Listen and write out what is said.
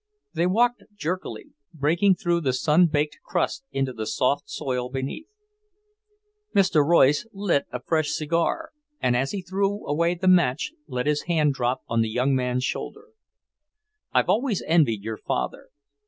They walked jerkily, breaking through the sun baked crust into the soft soil beneath. Mr. Royce lit a fresh cigar, and as he threw away the match let his hand drop on the young man's shoulder. "I always envied your father.